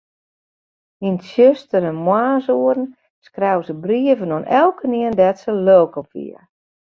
Yn 'e tsjustere moarnsoeren skreau se brieven oan elkenien dêr't se lilk op wie.